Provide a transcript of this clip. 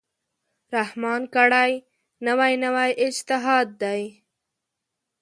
رحمان کړی، نوی نوی اجتهاد دی